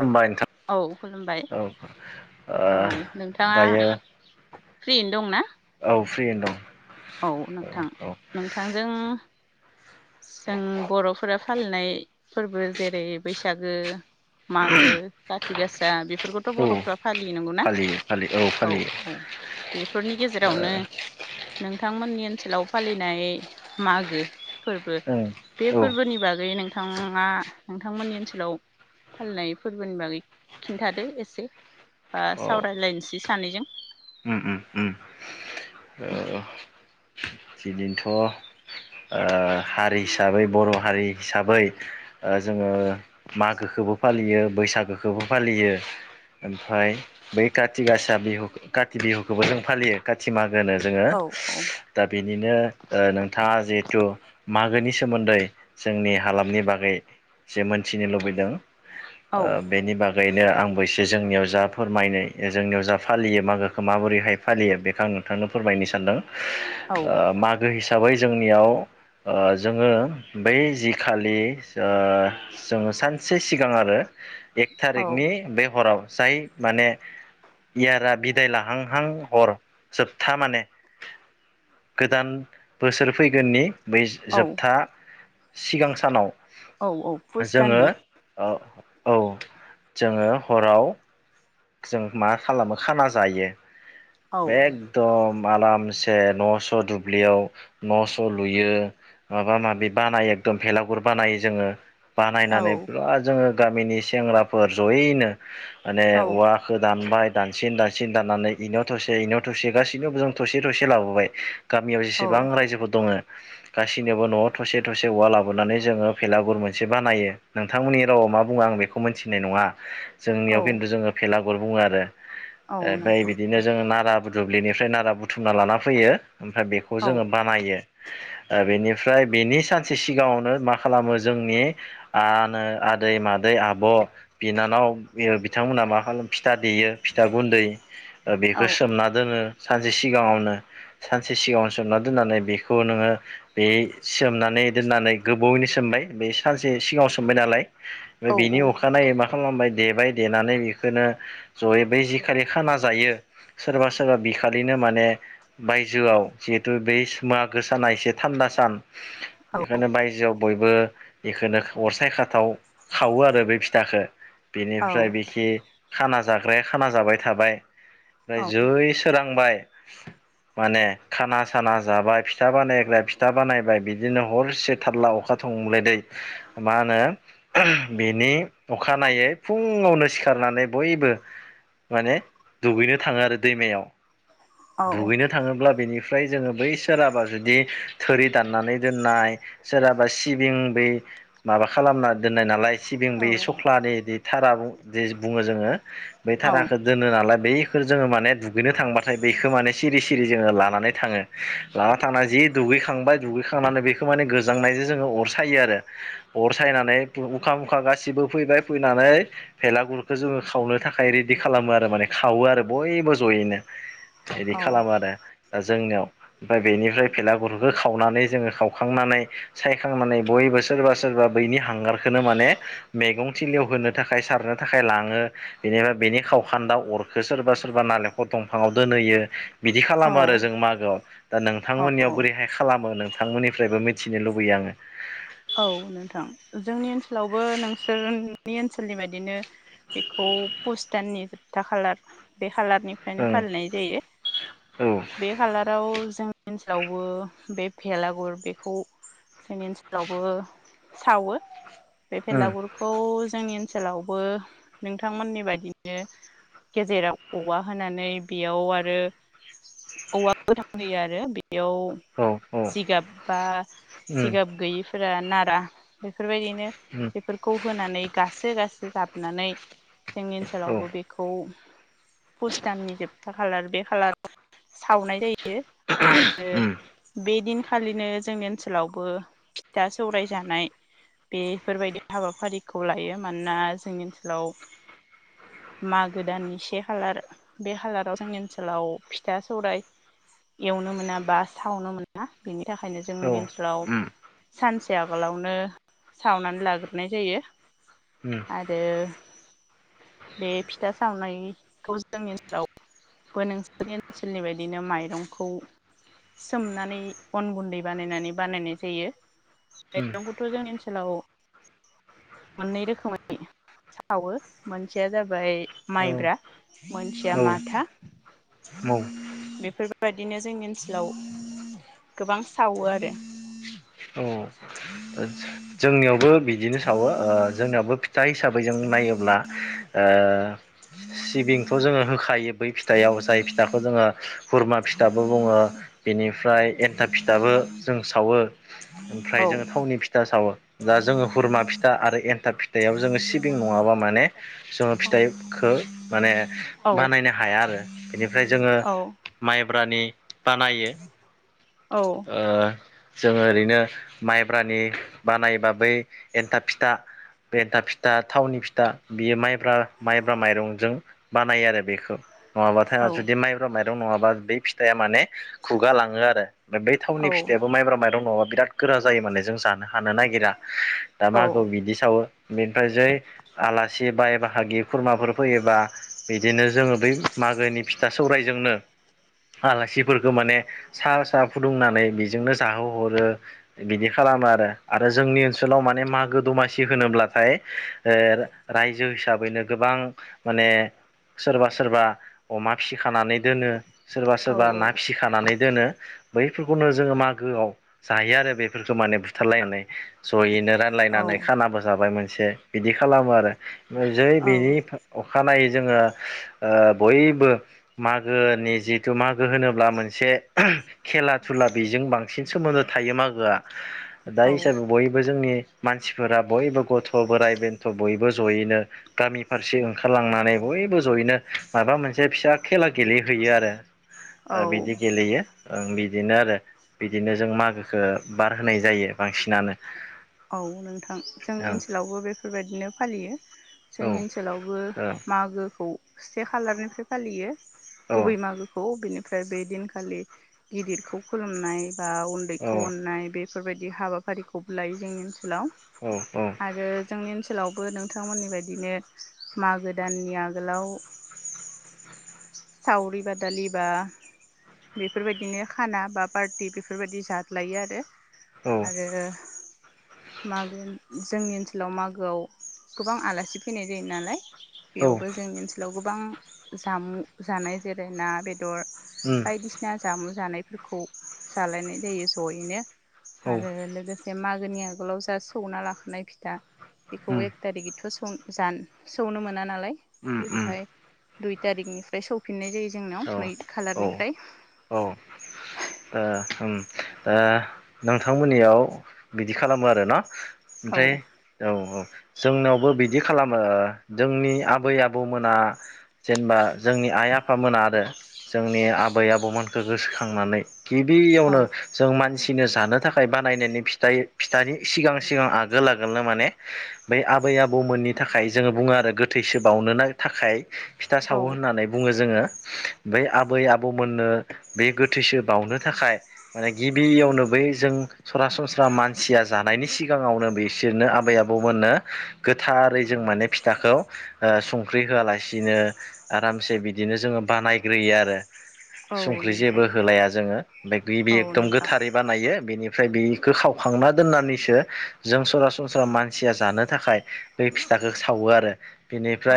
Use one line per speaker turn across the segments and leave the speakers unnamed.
होमबा नोंथां
औ खुलुमबाय
औ ओ
औ नोंथाङा
दायो
फ्रियैनो दं ना?
औ फ्रियैनो दं।
औ नोंथां
औ
नोंथांजों जों बर'फोरा फालिनाय फोरबो जेरै बैस बैसागो मागो। थि गासा बि बेफोरखौथ'
औ औ
बर'फ्रा फालियो नंगौ ना
फालियो फालियो
औ
फालियो
औ बेफोरनि गेजेरावनो नोंथ नोंथांमोननि ओनसोलाव फालिनाय मागो फोरबो
ओं
बे
औ
फोरबोनि बागै नोंथ नोंथाङा नोंथांमोननि ओनसोलाव फालिनाय फोरबोनि बागै खिन्थादो एसे बा
औ
सावरायलायसै। सानैजों
उम उम उम औ। बिदिनोथ' हारि हिसाबै बर' हारि हिसाबै ओ जोङो मागोखोबो फालियो बैसागोखोबो फालियो ओमफ्राय बै काति गासा बिहु काति बिहुखौबो जों फालियो काथि माग
औ औ
[unintelligible] दा बेनिनो ओ नोंथाङा जिहेतु मागोनि सोमोन्दै जोंनि हालामनि बागै जे मोनथिनो लुबैदों
औ
ओ बेनि बागैनो आंबो एसे जे जोंनियाव जा फोरमायनाय जोंनियाव जा फालियो मागोखौ खौ माबोरैहाय फालियो बेखो आं नोंथांनो फोरमायनो सानदों।
औ
ओ मागो हिसा हिसाबै जोंनियाव ओ जोङो बै जि खालि ओ जोङो सानसे सिगां आरो एक
औ
थारिकनि बे हराव जाय माने इयारा बे बिदाय लाहांहां हर जोबथा माने गोदान बोसोर फैगोननि बै
औ
जोबथा सिगां सानाव
औ औ पुस
जोङो
दाननि
ओ औ जोङो हराव जों मा खालामो खाना जायो।
औ
बेकदम बालामसे न'स' दुब्लियाव न'स' लुयो माबा माबि बानायो एकदम भेलागुर बानायो जोङो।
औ
बानायनानै बिराद जोङो गामिनि सेंग्राफोर ज'यैनो
औ
माने दानबाय दानसिन दानसिन दाननानै इनाव थसे इनाव थसे गासैनावबो जों थसे थसे लाबोबाय गामियाव
औ
जेसेबां रायजोफोर दङो? गासिनोबो न'आव थसे थसे औवा लाबोनानै जोङो भेलागुर मोनसे बानायो नोंथांमोननि रावाव मा बुङो आं बेखौ मोनथिनाय नङा।
औ
जोंनियाव खिन्थु जोङो भेलागुर बुङो आरो
औ
ओमफाय
नोंथां
बिदिनो जोंङो नारा बुदु दुब्लिनिफ्राय नारा बुथुमना लाना फैयो। ओमफ्राय बेखौ
औ
जोङो बानायो ओ बेनि ओमफ्राय बेनि सानसे सिगाङावनो मा खालामो जोंनि आनो आदै मादै आब' बिनानाव बि ओ बिथांमोना मा? होनो फिथा देयो फिथा गुन्दै ओ
औ
बेखो सोमना दोनो सानसे सिगाङावनो सानसे सिगाङावनो सोमना दोननानै बेखौ नोङो बे सोमनानै दोननानै गोबावयैनो सोमबाय बे सानसे सिगाङाव सोमबाय नालाय ओ
औ
बिनि अखानायै माख खालामबाय देबाय देनानै बेख बेखोनो जयै बै जिखालि खाना जायो सोरबा सोरबा बि खालिनो माने बायजोआव जिहेथु बैस मागो साना एसे थान्दा सान
औ
बेखोनो बायजोआव बयबो बेखोनो अरसाय खाथाव खावो आरो बे फिथाखो।
औ औ
बिनिफ्राय बिखि खाना जाग्राया खाना जाबाय थाबाय। ओमफ्राय जै सोरां खांबाय माने खाना साना जाबाय फिथा बानायग्राया फिथा बानायबाय बिदिनो हरसे थारला अखा थंब्लेददैै मा होनो बेनि अखानायै फुंआवनो सिखारनानै बयबो माने दुगैनो थाङो आरो दैमायाव। दुगैनो थाङोब्ला बेनिफ ओमफ्राय जोङो बै सोरहाबा जुदि थोरि दाननानै दोननाय सोरहाबा सिबिं बै माबा खालामना दोननाय नालाय सिबिं बै सख्लानिदि थारा बुं जे बुङोस जोङो बे
औ
थाराखौ दोनो नालाय बै खौ जोङो माने दुगैनो थांबाथाय बेखौ माने सिरि सिरि जोङो लानानै थाङो लाना थांनानै जि दुगैखांबाय दुगैखांनानै बेखौ मान गोजांनायजों जोङो अर सायो आरो अर सायनानै उखा मुखा गासिबो फैबाय फैनानै भेला गुर बेखौ जोङो खावनो थाखाय रेडि खालामो आरो माने खावो आरो बयबो ज'यैनो बिदि खालामो आरो दा जोंनियाव ओमफ्राय बेनिफ्राय फेलागुरखौ खावनानै जोङो खावखांनानै सायखांनानै बयबो सोरबा सोरबा बैनि हांगार खौनो माने मैगं थिलियाव होनो थाखाय सारनो थाखाय आखाय लाङो बेनिफ्राया बेनि खावखान्दा अरखौ सोरबा सोरबा नालेंखर दंफाङाव दोनहोयो बिदि खालामो आरो
औ
जों मागोआव दा नोंथांमोननियाव
औ
बोरैहाय खालामो नों थांमोननिफ्रायबो मिथिनो लुबैयो आङो
औ नोंथां जोंनि ओनसोलावबो नोंसोरनि ओनसोलनि बाददिनो बेखौ पुस दाननि जोबथा खालार बे खालारनिफ्रायनो
आङो
फालिनाय जायो
ओं
बे खालाराव जों ओनसोलावबो बे भेलागुर बेखौ जोंनि ओनसोल जेरावबो सावो। बे
औ
बेलागुरखौ जोंनि ओनसोलावबो नोंथांमोननि बायदिनो गेजेराव औवा होनानै बेयाव आरो औवा गोथां होयो आरो बेयाव
ओं
जिगाब बा
औ
जिगाब फोरा नारा बे बेफोरबायदिनो बेफोरखौ होनानै गासो गासो जाब नानै जोंनि ओनसोलावबो बेखौ पुस दाननि जोबथार खालार बे खालार सावनाय जायो। आरो बेदिन खालिनो जोंनि ओनसोलावबो फिथा सौराय जानाय बेफोरबायदि हाबाफारिखौ लायो मानोना जोंनि ओनसोलाव मागो दाननि से खालार बे खालाराव जोंनि ओनसोलाव फिथा सौराय एवनो मोना बा सावनो मोना बेनि बेनि थाखायनो जोंनि
औ
ओनसोलाव
उम
सानसे आगोलावनो सावनानै लाग्रोनाय जायो।
उम
आरो बे फिथा सावनायखौ जोंनि ओनसोलावबो नोंसोरनि ओनसोलनि बायदिनो माइरंखौ सोमनानै अन गुन्दै बानायनानै बानायनाय जायो। माइरंखौथ' जोंनि ओनसोलाव मोननै रोखोमै सावो मोनसेया जाबाय
औ उम औ
माइब्रा मोनसेया
उम
माथा
उम औ
बेफोरबायदिनो जोंनि ओनसोलाव गोबां सावो आरो।
औ
[inaudible]
जोंनियावबो। बिदिनो सावो ओ जोंनियाबो। जाय हिसाबै जों नायोब्ला ओ सिबिंथ' जोङो होखायो बै फिथाइाव जाय फिथाखौ जोङो हुरमा फिथाबो बुङो बेनिफ्राय एन्थाब फिथाबो जों सावो।
औ
ओमफ्राय जङो थावनि फि फिथा सावो दा जोङो हुरमा फिथा आरो एन्थाब फिथाइयाव जोङो सिबिं नङाबा माने जोङो फिथाखौ माने बानायनो हाया आरो बेनिफ्राय जोङो माइ ब्रानि बानायो। जोङो ओरैनो माइब्रानि बानायबा बै एन्थाब फिथा बे एन्थाब फिथा थावनि फिथा बियो माइब्रा माइब्रा माइरंजों बानायो आरो बेखौ। नङाबाथाय जुदि माइब्रा माइ नङाबा बै फिथाइआ माने गुगा लाङो आरो। बै थावनि फिथायाबो माइब्रा माइरं नङा बिराद गोरा जायो मान जों जानो हा हानो नागिरा दा
औ
मागोआव बिदि सावो। बेनिफ्राय जै आलासि बाय बाहागि। खुरमाफोर फैयोबा। बिदिनो जोङो बै मागोनि फिथा सौरायजोंनो आलासिफोरखौ माने सा सा फुदुंनानै बेजोंनो जाहो हरो बिदि खालामो आरो। आरो जोंनि ओनसोलाव माने मागो दमासि थि होनोब्लाथाय ओ रायजो हिसाबैनो गोबां माने सोरबा सोरबा अमा फिसिखानानै दोनो। सोरबा सोरबा
औ
ना फिसिखानानै दोनो। बैफोरखौनो जोङो मागोआव जायो आरो बेफोरखौ माने बुथारलायनानै। जयैनो।
औ
रानलायनानै खानाबो जाबाय मोन एसे बिदि खालामो आरो। जै बेनि अखानायै जोङो बयबो मागोनि जिथु मागो होनोब्ला मोनसे खेला धुला बेजों बांसिन सोमोन्दो थायो मागोआ। दायो हिसाबै बयबो जोंनि मानसिफोरा बयबो गथ' बोराइ बेन्थ' बयबो जयैनो गामि फारसे ओंखारलांनानै बयबो जयैनो माबा मोनसे फिसा खेला गेलेहैयो आरो। बिदि गेलयो। ओ बिदिनो आरो बिदिनो जों मागोखौ बारहोनाय जायो। बांसिनानो।
औ नोंथां जोंनि ओनसोलावबो बेफोरबायदिनो फालियो। जोंनि
ओं
ओनसोलावबो
औ
मागो औ से खालारनिफ्राय फालियो
औ
गुबै मागोखौ बेनो ओमफ्राय बे दिनखालि गिदिरखौ खुलुमनाय बा उन्दैखौ अननाय बे बेफोरबायदि हाबाफारिखौ लायो। [inaudible] हेल'
औ औ
आरो जोंनि ओनसोलाव बो नोंथांमोननि बायदिनो मागो दाननि आगोलाव सावरि-बादालि बा बेफोरबायदिनो खाना बा पार्टि बेफोरबायदि जादलायो आरो।
औ
आरो मागोनि जोंनि ओनसोलाव मागोआव गोबां आलासि फैनाय जायो नालाय।
औ
बेयावबो जोंनि ओनसोलाव गोबां जामुं जानाय जेरायना बे- दर बायदिसिना जामु जानायफोरखौ जालायनाय जायो जयैनो।
औ उम औ
आरोे लोगोसे बे मागोनि आगोलाव जा सौना लाखानाय फिथा बेखौ
उम
एक थारिखैथ' स जा सौनो मोना नालाय
उम उम
ओमफ्राय दुइ तारिखनि फ्राय सौफिनाय जायो। जोंनाव
औ
नै
औ
खालारनिफ्राय
औ दा दा नोंथांमोननियाव बिदि खालामो आरो ना
औ
ओमफ्राय औ औ जोंनियावबो बिदि खालामो, जोंनि आबै-आबौमोना जेनेबा जोंनि आइ-आफामोना आरो जोंनि आबै-आबौमोनखौ गोसोखांनानै गिबियावनो जों मान सिनो जानो थाखाय बानायनायनि फिथाइ फिथानि सिगां सिगां आगो आगोलनो माने बै आबै आबौमोननि थाखाय जोङो बुङो आरो गोथैसो बावनो थाखाय फिथा
औ
सावो
औ
होननानै बुङो जोङो। बै आबै आबौमोननो बे गोथैसो बावनो थाखाय माने गिबियावनो बै जों सरासनस्रा मानसिया जानायनि सिगाङावनो बिसोरनो आबै-आबौमोननो गोथारै जों माने फिथाखौ ओ संख्रि होआलासिनो आरामसे बिदिनो जोङो बानायग्रोयो आरो
औ
संख्रि
नोंथां
जेबो होलाया जोङो। ओमफ्राय गिबि
औ
एकदम
नोंथां
गोथारै बानायो बेनि ओमफ्राय बेखौ सावखांना दोननानैसो जों सरासनस्रा मानसिया जानो थाखाय बे फिथाखौ सावो आरो।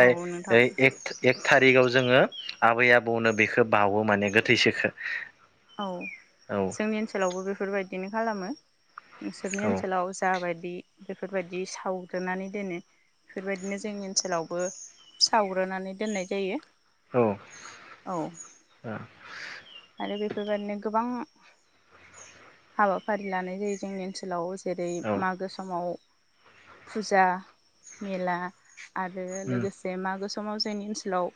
औ नोंथां
एक एक एथानि। बिगाव जोङो। आबै आबौनो बेखौ बावो माने गोथैसोखो।
औ
औ
जोंनि ओनसोलावबो बेफोरबायदिनो खालामो। नोंसोरनि
औ
ओनसोलाव जाबाय। दि बेफोरबायदि सावग्रोनानै दोनो बेफोरबायदिनो जोंनि ओनसोलावबो सावग्रोनानै दोननाय जायो। औ
औ।
आरो बेफोरबायदिनो गोबां हाबाफारि लानाय जायो जोंनि ओनसोलाव। जेरै
औ
मागो समाव। फुजा मेला। आरो
उम
लोगोसे मागो सम। समाव जोंनि ओनसोलाव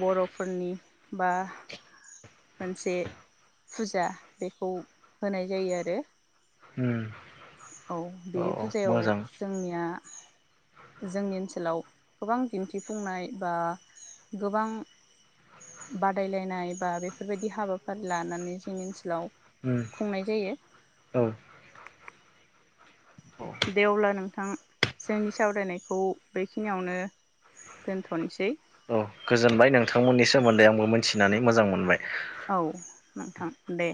बर'फोरनि बा। मोनसे फुजा बेखौ होनाय जायो आरो।
उम।
औ बे
औ
फुजायाव
मोजां
जोंनिया। जोंनि ओनसोलाव गोबां दिन्थिफुंनाय बा गोबां बादायलायनाय बा बेफोरबायदि हाबाफारि लानानै जोंनि ओनसोलाव।
उम
खुंनाय जायो।
औ
देवब्ला नों। नोंथां जोंनि सावरायनायखौ बेखिनियावनो दोनथ'नोसै।
औ गोजोनबाय नोंथांमोननि सोमोन्दै आंबो मिथिनानै मोजां मोनबाय।
औ नोंथां दे।